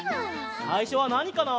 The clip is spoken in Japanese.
さいしょはなにかな？